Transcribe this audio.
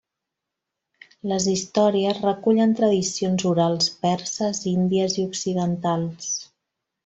Les històries recullen tradicions orals perses, índies i occidentals.